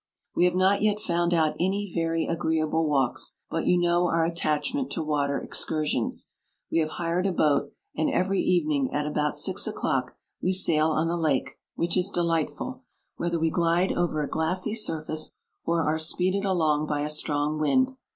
We have not yet found out any very agreeable walks, but you know our at tachment to water excursions. We have hired a boat, and every evening at about six o'clock we sail on the lake, which is delightful, whether we glide over a glassy surface or are speeded along by a strong wind.